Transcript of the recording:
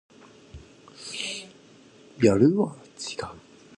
Richards received just a one match sentence from the English Rugby Football Union.